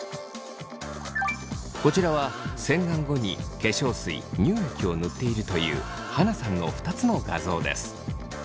こちらは洗顔後に化粧水乳液を塗っているというはなさんの２つの画像です。